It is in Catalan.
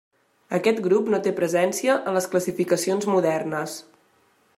Aquest grup no té presència en les classificacions modernes.